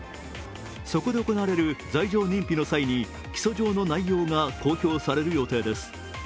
そこで行われる罪状認否の際に起訴状の内容が公表される予定です。